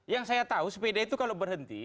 yang saya tahu sepeda itu kalau berhenti